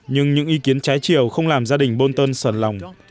nhưng những ý kiến trái chiều không làm gia đình bolton sờn lòng